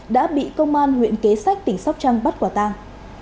đã bị công an huyện kế sách tỉnh sóc trăng bắt quả tang